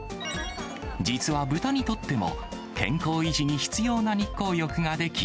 実は豚にとっても、健康維持に必要な日光浴ができ、